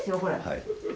はい。